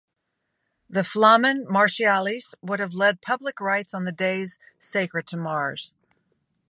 The Flamen Martialis would have led public rites on the days sacred to Mars.